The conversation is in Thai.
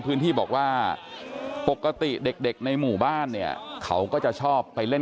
พื้นที่บอกว่าปกติเด็กในหมู่บ้านเนี่ยเขาก็จะชอบไปเล่น